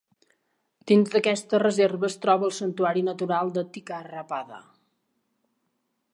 Dins d'aquesta reserva es troba el santuari natural de Tikarapada.